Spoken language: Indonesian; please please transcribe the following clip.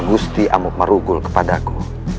gusti amuk merugul kepada aku